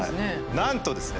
なんとですね